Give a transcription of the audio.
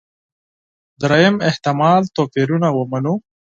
درېیم احتمال توپيرونه ومنو.